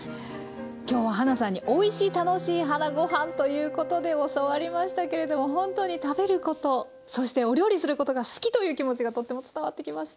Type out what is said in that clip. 今日ははなさんに「おいし楽しいはなゴハン」ということで教わりましたけれどもほんとに食べることそしてお料理することが好きという気持ちがとても伝わってきました。